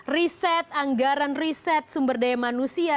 reset anggaran reset sumber daya manusia